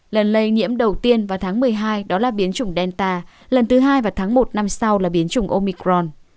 lần lây nhiễm đầu tiên vào tháng một mươi hai đó là biến chủng delta lần thứ hai vào tháng một năm sau là biến chủng omicron